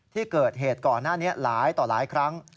ที่เกิดเหตุก่อนหน้านี้หลายต่อหลายครั้ง